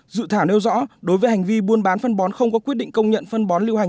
dự thảo nêu rõ đối với hành vi buôn bán phân bón không có quyết định công nhận phân bón lưu hành